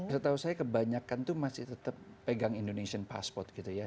setahu saya kebanyakan itu masih tetap pegang indonesia passport gitu ya